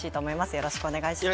よろしくお願いします。